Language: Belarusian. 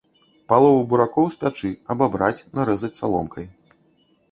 Палову буракоў спячы, абабраць, нарэзаць саломкай.